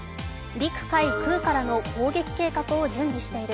陸・海・空からの攻撃計画を準備している。